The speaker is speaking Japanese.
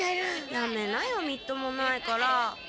やめなよみっともないから。